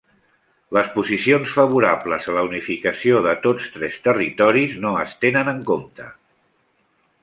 Les posicions favorables a la unificació de tots tres territoris no es tenen en compte.